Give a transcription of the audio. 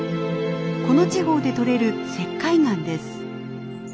この地方で採れる石灰岩です。